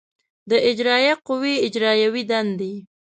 د اجرایه قوې اجرایوې دندې